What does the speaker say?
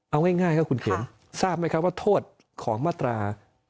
เอาง่ายคุณเขียนทราบไหมว่าโทษของมาตรา๑๑๒